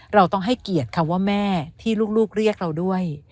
เราต้องให้เกียรติคำว่าแม่ที่ลูกเรียกเราด้วย